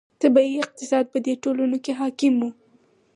طبیعي اقتصاد په دې ټولنو کې حاکم و.